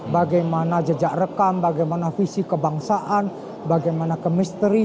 bagaimana jejak rekam bagaimana visi kebangsaan bagaimana kemisteri